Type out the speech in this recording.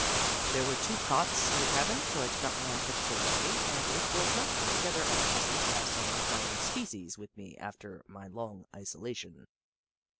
There were two cots in the cabin, so I did not mind particularly, and it was not altogether unpleasant to have someone of my own species with me after my long isolation.